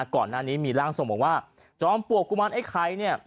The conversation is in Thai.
ก่อนหน้านี้มีร่างทรงบอกว่าจอมปลวกกุมารไอ้ไข่เนี่ย